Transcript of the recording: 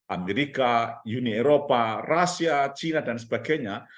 amerika uni eropa rusia china dan sebagainya